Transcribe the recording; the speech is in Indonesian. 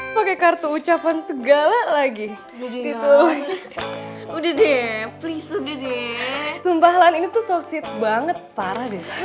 ya udah deh please udah deh sumpah lan ini tuh sopsit banget parah deh